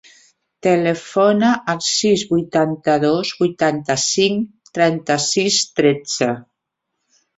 Telefona al sis, vuitanta-dos, vuitanta-cinc, trenta-sis, tretze.